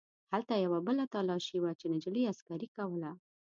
هلته یوه بله تلاشي وه چې نجلۍ عسکرې کوله.